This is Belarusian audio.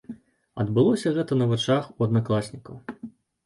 Адбылося гэта на вачах у аднакласнікаў.